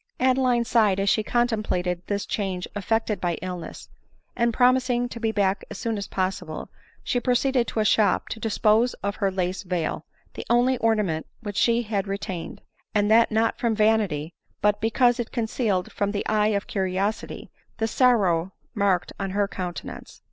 Adeline sighed as she contemplated this change effect ed by illness ; and, promising to be back as soon as pos sible, she proceeded to a shop to dispose of her lace veil, the only ornament which she had retained ; and that not from vanity, but because it concealed from the eye of curiosity the sorrow marked on her countenance.